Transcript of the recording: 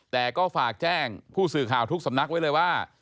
แต่ก็ฝากแจ้งผู้สื่อข่าวทุกสำนักไว้เลยว่า